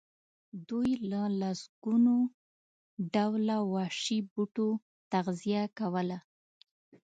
دوی له لسګونو ډوله وحشي بوټو تغذیه کوله.